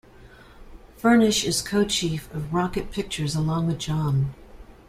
Furnish is co-chief of Rocket Pictures along with John.